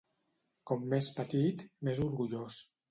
Com més petit, més orgullós.